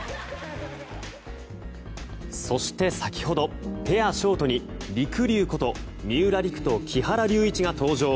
そして、先ほどペアショートにりくりゅうこと三浦璃来と木原龍一が登場。